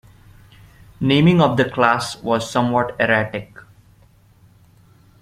Naming of the class was somewhat erratic.